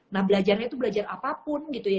nah belajarnya itu belajar apapun gitu ya